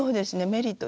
メリット